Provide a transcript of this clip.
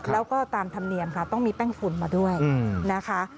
แล้วก็ตามธรรมเนียมค่ะต้องมีแป้งฝุ่นมาด้วยนะคะ